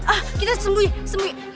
ah kita sembuhin sembuhin